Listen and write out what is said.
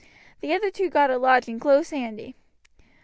The other two got a lodging close handy.